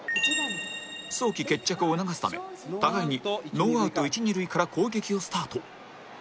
早期決着を促すため互いにノーアウト一二塁から攻撃をスタート